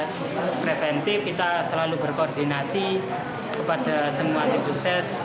ya preventif kita selalu berkoordinasi kepada semua antipuses